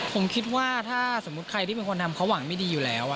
ผมคิดว่าถ้าสมมุติใครที่เป็นคนทำเขาหวังไม่ดีอยู่แล้ว